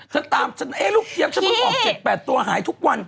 ถ้าตามออก๗๘เนื้อตัวหายทุกวัน